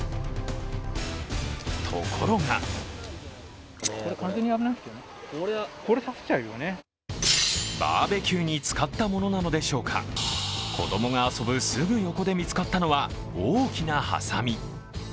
ところがバーベキューに使ったものなのでしょうか、子供が遊ぶすぐ横で見つかったのは、大きなはさみ。